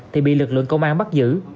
thì bị lực lượng công an bắt giữ